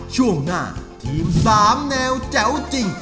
ช่วงหน้าทีม๓แนวแจ๋วจริง